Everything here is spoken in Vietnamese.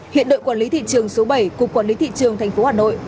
hiện đội quản lý thị trường số bảy cục quản lý thị trường tp hà nội